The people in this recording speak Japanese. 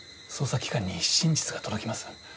捜査機関に真実が届きます。